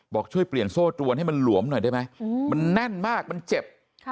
บอกช่วยเปลี่ยนโซ่ตรวนให้มันหลวมหน่อยได้ไหมมันแน่นมากมันเจ็บ